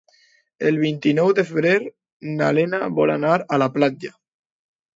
El vint-i-nou de febrer na Lena vol anar a la platja.